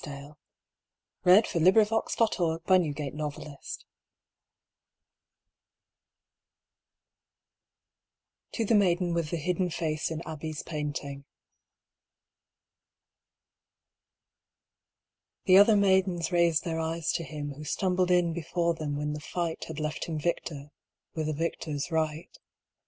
Galahad in the Castle of the Maidens (To the maiden with the hidden face in Abbey's painting) The other maidens raised their eyes to him Who stumbled in before them when the fight Had left him victor, with a victor's right.